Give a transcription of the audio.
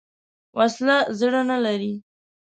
وسله زړه نه لري